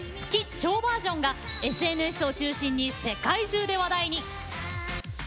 超ｖｅｒ」がＳＮＳを中心に世界中で話題に。